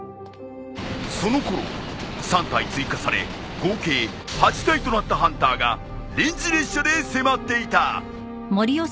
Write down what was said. そのころ３体追加され合計８体となったハンターが臨時列車で迫っていた。